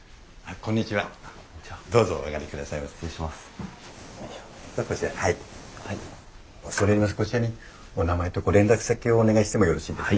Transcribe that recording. こちらにお名前とご連絡先をお願いしてもよろしいですか？